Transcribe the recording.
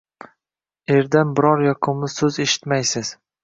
Erdan biron yokimli so‘z eshitmaysiz